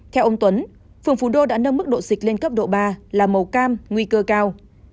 theo ông tuấn phường phú đô đã nâng mức độ xịt lên cấp độ ba là màu cam nguy cơ cao